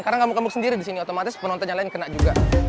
karena kamu kamu sendiri disini otomatis penonton yang lain kena juga